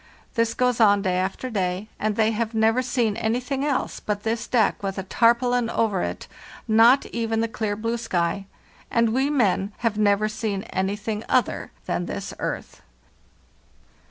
This goes on day after day, and they have never seen anything else than this deck with a tarpaulin over it, not even the clear blue sky; and we men have never seen anything else than this earth